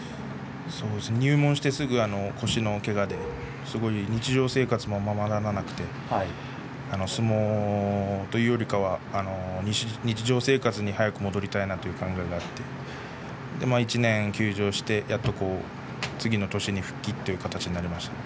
入門してすぐ腰のけがで日常生活もままならなくて相撲というよりは日常生活に早く戻りたいなという考えで１年休場してやっと次の年に復帰という形になりました。